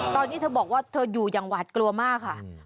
ตอนนี้เธอบอกว่าเธออยู่อย่างหวาดกลัวมากค่ะ